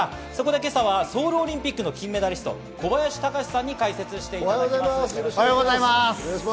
今朝はソウルオリンピックの金メダリスト、小林孝至さんに解説しおはようございます。